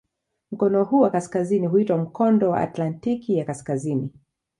Mkono huu wa kaskazini huitwa "Mkondo wa Atlantiki ya Kaskazini".